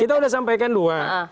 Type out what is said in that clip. kita udah sampaikan dua